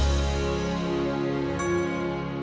tumben loh pulangnya cepet